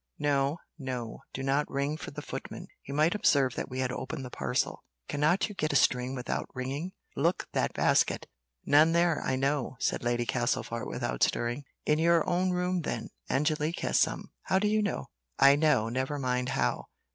"No, no; do not ring for the footman; he might observe that we had opened the parcel. Cannot you get a string without ringing? Look in that basket." "None there, I know," said Lady Castlefort without stirring. "In your own room then; Angelique has some." "How do you know?" "I know! never mind how.